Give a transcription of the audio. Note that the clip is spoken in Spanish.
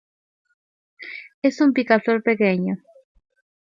Es un picaflor pequeño.